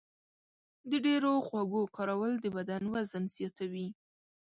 د ډېرو خوږو کارول د بدن وزن زیاتوي.